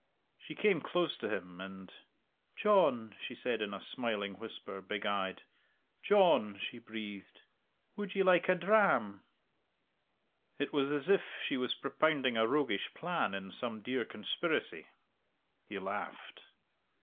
She came close to him, and "John," she said in a smiling whisper, big eyed, "John," she breathed, "would ye like a dram?" It was as if she was propounding a roguish plan in some dear conspiracy. He laughed.